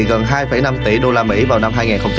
gần hai năm tỷ đô la mỹ vào năm hai nghìn hai mươi sáu